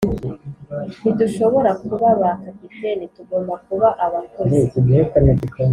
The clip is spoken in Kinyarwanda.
ntidushobora kuba ba capitaine, tugomba kuba abakozi,